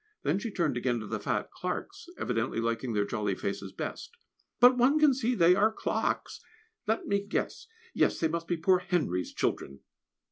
Then she turned again to the fat Clarks, evidently liking their jolly faces best. "But one can see they are Clarkes. Let me guess. Yes, they must be poor Henry's children!"